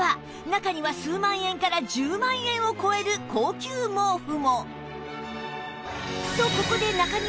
中には数万円から１０万円を超える高級毛布も